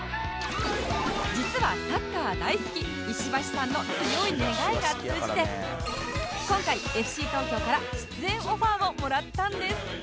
実はサッカー大好き石橋さんの強い願いが通じて今回 ＦＣ 東京から出演オファーをもらったんです